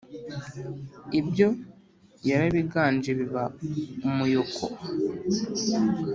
ibyo yarabiganje biba umuyoko!